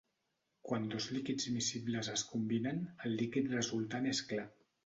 Quan dos líquids miscibles es combinen, el líquid resultant és clar.